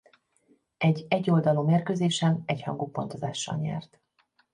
Egy egyoldalú mérkőzésen egyhangú pontozással nyert.